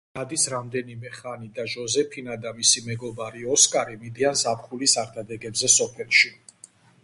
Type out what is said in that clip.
გადის რამდენიმე ხანი და ჟოზეფინა და მისი მეგობარი ოსკარი მიდიან ზაფხულის არდადეგებზე სოფელში.